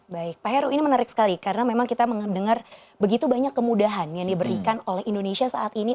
baik pak heru ini menarik sekali karena memang kita mendengar begitu banyak kemudahan yang diberikan oleh indonesia saat ini